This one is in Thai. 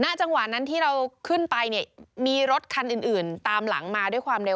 จังหวะนั้นที่เราขึ้นไปเนี่ยมีรถคันอื่นตามหลังมาด้วยความเร็ว